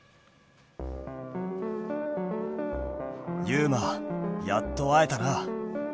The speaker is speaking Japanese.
ユウマやっと会えたな。